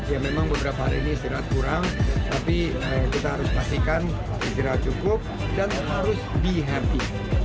ya memang beberapa hari ini istirahat kurang tapi kita harus pastikan istirahat cukup dan harus be happy